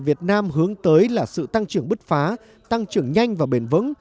việt nam hướng tới là sự tăng trưởng bứt phá tăng trưởng nhanh và bền vững